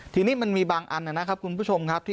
ทีนี้มันมีบางอันนะครับคุณผู้ชมครับ